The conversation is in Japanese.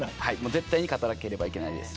絶対に勝たなければいけないです。